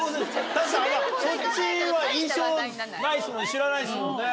知らないですもんね。